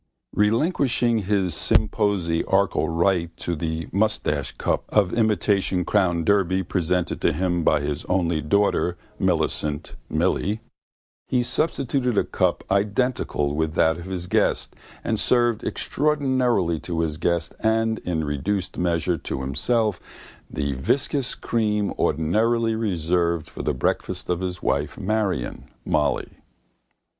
Relinquishing his symposiarchal right to the moustache cup of imitation Crown Derby presented to him by his only daughter, Millicent (Milly), he substituted a cup identical with that of his guest and served extraordinarily to his guest and, in reduced measure, to himself the viscous cream ordinarily reserved for the breakfast of his wife Marion (Molly).